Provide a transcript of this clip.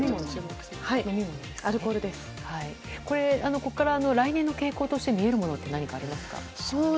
ここから来年の傾向として見えるものって何かありますか？